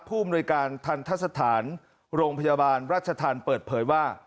ผู้อำนวยการทันทะสถานโรงพยาบาลราชธรรมเปิดเผยว่า